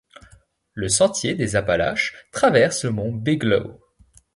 Le sentier des Appalaches traverse le mont Bigelow.